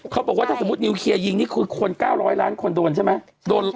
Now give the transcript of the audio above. เขาบอกว่าถ้าสมมุตินิวเคลียร์ยิงนี่คือคน๙๐๐ล้านคนโดนใช่ไหม